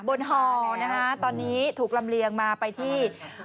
ห่อนะคะตอนนี้ถูกลำเลียงมาไปที่